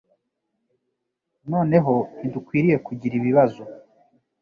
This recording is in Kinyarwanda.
Noneho ntidukwiye kugira ibibazo.